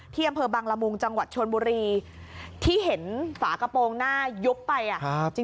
อำเภอบังละมุงจังหวัดชนบุรีที่เห็นฝากระโปรงหน้ายุบไปอ่ะ